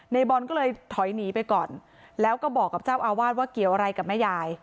ในบอลก็เลยถอยหนีไปก่อนแล้วก็บอกกับเจ้าอาวาสว่าเกี่ยวอะไรกับแม่ยาย